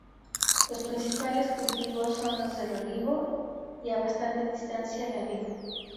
Los principales cultivos son los del olivo y, a bastante distancia, la vid.